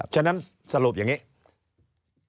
ฉะนั้นสรุปอย่างนี้